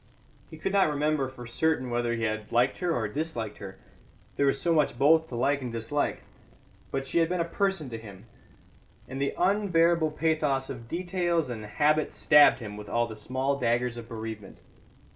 He could not remember for certain whether he had liked her or disliked her; there was so much both to like and dislike. But she had been a person to him, and the unbearable pathos of details and habit stabbed him with all the small daggers of bereavement.